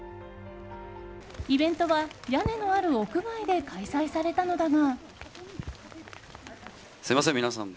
イベントは、屋根のある屋外で開催されたのだが。